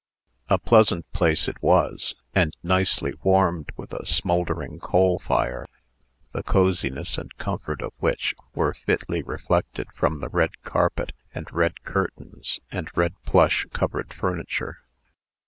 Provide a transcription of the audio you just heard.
A pleasant place it was, and nicely warmed with a smouldering coal fire, the coziness and comfort of which, were fitly reflected from the red carpet, and red curtains, and red plush covered furniture.